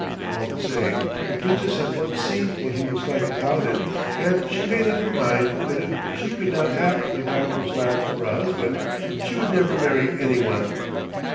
All the same the Princess had once seen what he was like without it, and she made up her mind that if she could not have the gardener's lad for a husband she would never marry any one.